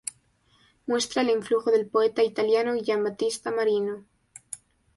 Muestra el influjo del poeta italiano Giambattista Marino.